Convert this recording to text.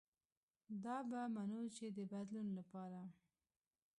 دا به منو چې د بدلون له پاره